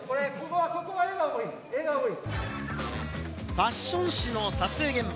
ファッション誌の撮影現場。